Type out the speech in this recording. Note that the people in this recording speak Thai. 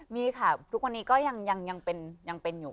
มีค่ะทุกวันนี้ก็ยังเป็นอยู่